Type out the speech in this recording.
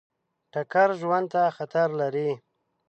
ټکر ژوند ته خطر لري.